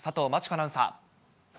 アナウンサー。